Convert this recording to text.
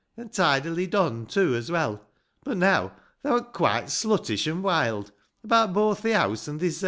An' tidily donned, too, as well ; Cut, now, thou'rt quite sluttish an' wild About both thi house, an' thisel'.